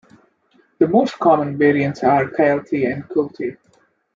The most common variants are Kielty and Quilty.